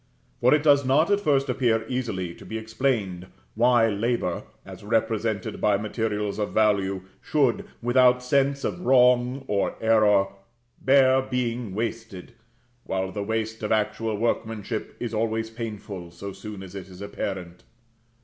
For it does not at first appear easily to be explained why labor, as represented by materials of value, should, without sense of wrong or error, bear being wasted; while the waste of actual workmanship is always painful, so soon as it is apparent.